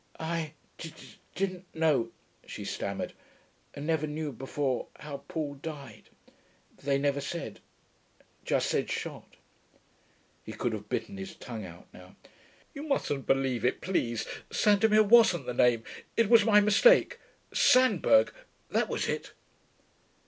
'I d didn't know,' she stammered. 'I never knew before how Paul died. They never said ... just said shot....' He could have bitten his tongue out now. 'You mustn't believe it, please.... Sandomir wasn't the name ... it was my mistake.... Sandberg that was it.'